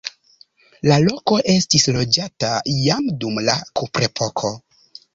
La loko estis loĝata jam dum la kuprepoko.